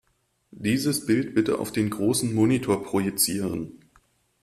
Dieses Bild bitte auf den großen Monitor projizieren.